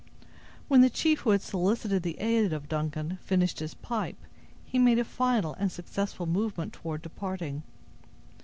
When the chief, who had solicited the aid of Duncan, finished his pipe, he made a final and successful movement toward departing.